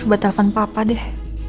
aduh bapak telfon apa apa deh